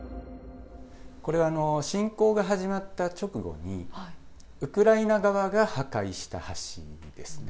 これは侵攻が始まった直後に、ウクライナ側が破壊した橋ですね。